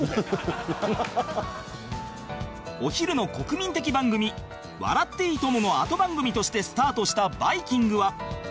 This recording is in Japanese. お昼の国民的番組『笑っていいとも！』の後番組としてスタートした『バイキング』は